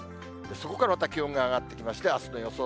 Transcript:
そこからまた気温が上がってきまして、あすの予想